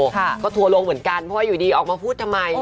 ก็ทัวร์ลงเหมือนกันเพราะว่าอยู่ดีออกมาพูดทำไม